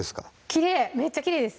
きれいめっちゃきれいです！